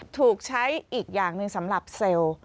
ถูกใช้อีกอย่างหนึ่งสำหรับเซลล์